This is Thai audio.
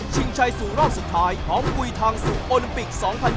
ชัยสู่รอบสุดท้ายพร้อมกุยทางสู่โอลิมปิก๒๐๒๐